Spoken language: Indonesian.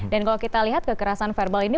dan kalau kita lihat kekerasan verbal ini